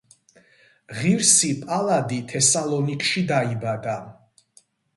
ღირსი პალადი თესალონიკში დაიბადა.